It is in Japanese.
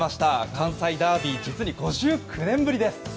関西ダービー実に５９年ぶりです。